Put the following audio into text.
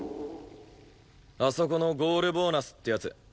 あそこのゴールボーナスってやつ。